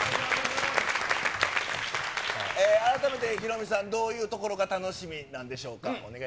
改めてヒロミさん、どういうところが楽しみなんでしょうか。